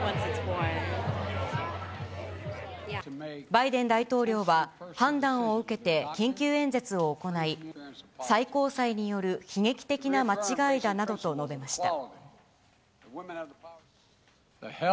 バイデン大統領は判断を受けて緊急演説を行い、最高裁による悲劇的な間違いだなどと述べました。